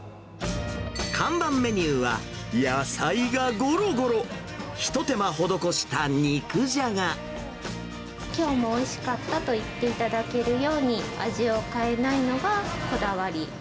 看板メニューは、野菜がごろごろ、きょうもおいしかったと言っていただけるように、味を変えないのがこだわり。